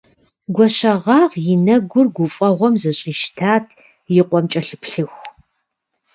Гуащэгъагъ и нэгур гуфӀэгъуэм зэщӀищтэт и къуэм кӀэлъыплъыху.